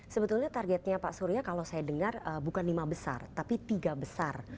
sebetulnya targetnya pak surya kalau saya dengar bukan lima besar tapi tiga besar